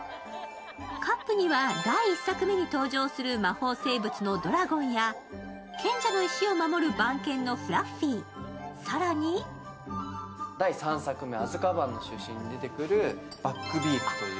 カップには第１作目に登場する魔法生物のドラゴンや賢者の石を守る番犬のフラッフィー更にバックビークという。